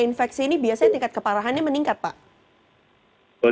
infeksi ini biasanya tingkat keparahannya meningkat pak